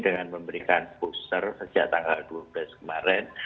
dengan memberikan booster sejak tanggal dua belas kemarin